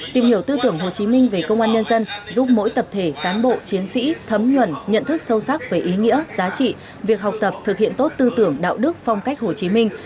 tìm hiểu tư tưởng hồ chí minh về công an nhân dân giúp mỗi tập thể cán bộ chiến sĩ thấm nhuần nhận thức sâu sắc về ý nghĩa giá trị việc học tập thực hiện tốt tư tưởng đạo đức phong cách hồ chí minh